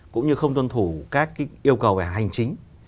cũng như không tuân thủ các yêu cầu về hành chính